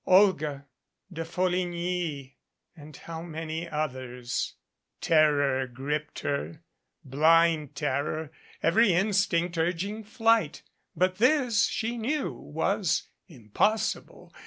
Olga, De Folligny and how many others ? Terror gripped her blind terror, every instinct urging flight. But this, she knew, was impossible.